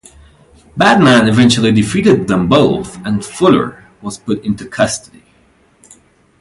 Batman eventually defeated them both, and Fuller was put into custody.